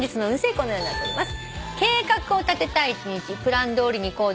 このようになっております。